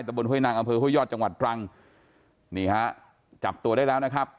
บนห้วยนางอำเภอห้วยยอดจังหวัดตรังนี่ฮะจับตัวได้แล้วนะครับ